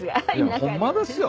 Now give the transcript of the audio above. ホンマですよ